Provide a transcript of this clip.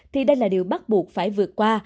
thì đây là điều bắt buộc phải vượt qua